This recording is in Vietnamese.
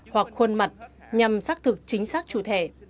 hoặc khuôn mặt nhằm xác thực chính xác chủ thẻ